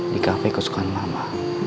di cafe kesukaan mama